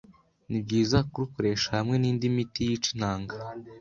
ni byiza kurukoresha hamwe n’indi miti yica intanga